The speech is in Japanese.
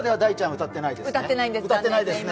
歌ってないです。